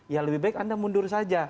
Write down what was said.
ya lebih baik anda mundur saja